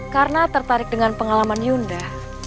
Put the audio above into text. karena tertarik dengan pengalaman yunda